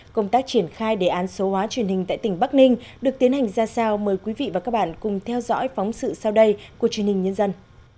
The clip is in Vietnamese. công tác triển khai đề án số hóa truyền hình tại tỉnh bắc ninh được tiến hành ra sao mời quý vị và các bạn cùng theo dõi phóng sự sau đây của truyền hình nhân dân